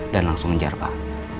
dan langsung ngejar pak